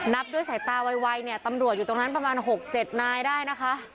นับด้วยสายตาไวเนี่ยตำรวจอยู่ตรงนั้นประมาณ๖๗นายได้นะคะ